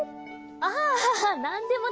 あなんでもない。